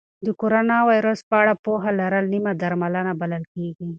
د کرونا ویروس په اړه پوهه لرل نیمه درملنه بلل کېږي.